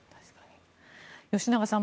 吉永さん